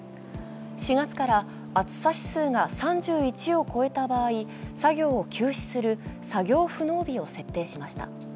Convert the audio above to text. ４月から暑さ指数が３１を超えた場合作業を休止する作業不能日を設定しました。